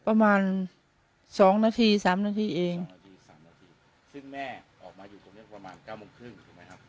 ประมาณสองนาทีสามนาทีเองนาทีสามนาทีซึ่งแม่ออกมาอยู่ตรงนี้ประมาณเก้าโมงครึ่งถูกไหมครับ